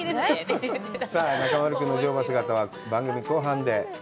さあ、中丸君の乗馬のほうは番組後半で。